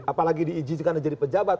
apalagi diizinkan jadi pejabat